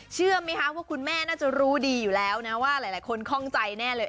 เชื่อไหมคะว่าคุณแม่น่าจะรู้ดีอยู่แล้วนะว่าหลายคนคล่องใจแน่เลย